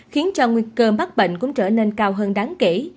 khiến cho nguy cơ mắc bệnh cũng trở nên cao hơn đáng kể